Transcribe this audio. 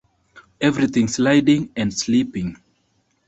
Everything sliding and slipping.